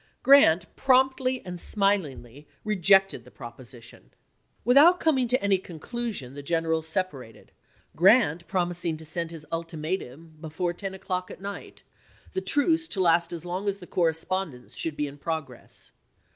Grant promptly and smilingly rejected the propo 304 ABRAHAM LINCOLN chap. x. sition. Without coming to any conclusion the generals separated, Grant promising to send his ultimatum before ten o'clock at night; the truce to last as long as the correspondence should be in progress.